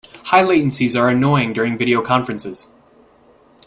High latencies are annoying during video conferences.